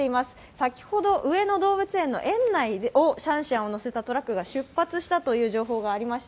先ほど上野動物園の園内をシャンシャンを乗せたトラックが出発したという情報がありました。